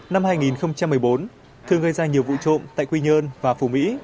năm hai nghìn một mươi bốn thương gây ra nhiều vụ trộm tại quy nhơn và phủ mỹ